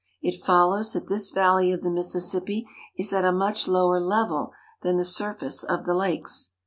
It follows that this valley of the Mississippi is at a much lower level than the surface of the lakes.